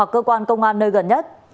cơ quan công an nơi gần nhất